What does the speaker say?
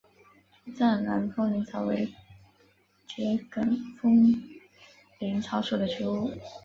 藏南风铃草为桔梗科风铃草属的植物。